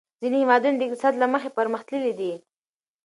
ځینې هېوادونه د اقتصاد له مخې پرمختللي دي.